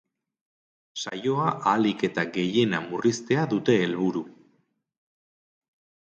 Saioa ahalik eta gehiena murriztea dute helburu.